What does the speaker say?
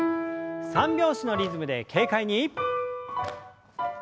三拍子のリズムで軽快に。